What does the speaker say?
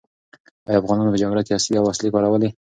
ایا افغانانو په جګړه کې عصري وسلې کارولې؟